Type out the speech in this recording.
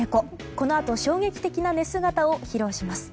このあと、衝撃的な寝姿を披露します。